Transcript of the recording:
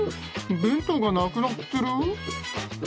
弁当がなくなってる。